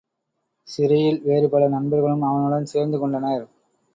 சிறையில் வேறு பல நண்பர்களும் அவனுடன் சேர்ந்து கொண்டனர்.